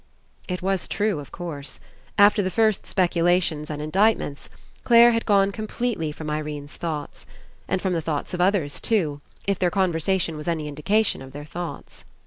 It was true, of course. After the first speculations and indictments, Clare had gone completely from Irene's thoughts. And from the thoughts of others too — if their conversa tion was any indication of their thoughts.